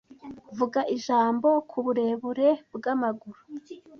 Vuga ijambo kuburebure bwamaguru